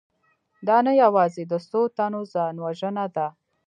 دا نه یوازې د څو تنو ځانوژنه ده